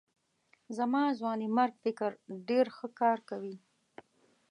زما ځوانمېرګ فکر ډېر ښه کار کوي.